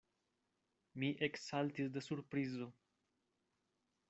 Mi eksaltis de surprizo.